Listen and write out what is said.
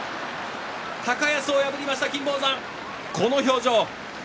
高安を破りました、この表情。